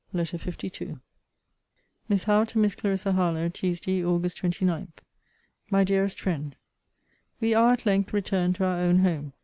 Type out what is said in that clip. LETTER LII MISS HOWE, TO MISS CLARISSA HARLOWE TUESDAY, AUG. 29. MY DEAREST FRIEND, We are at length returned to our own home.